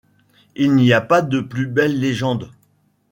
Il n’y a pas de plus belle légende.